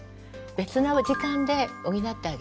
別の時間で補ってあげる。